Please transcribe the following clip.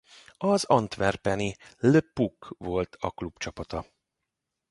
Az antwerpeni Le Puck volt a klubcsapata.